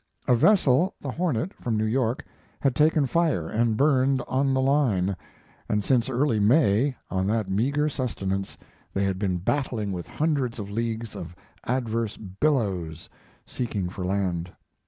A vessel, the Hornet, from New York, had taken fire and burned "on the line," and since early in May, on that meager sustenance, they had been battling with hundreds of leagues of adverse billows, seeking for land.